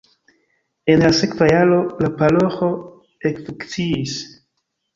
En la sekva jaro la paroĥo ekfunkciis.